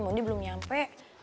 mondi belum nyampe